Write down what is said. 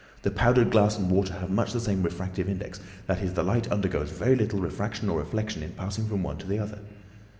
The powdered glass and water have much the same refractive index; that is, the light undergoes very little refraction or reflection in passing from one to the other.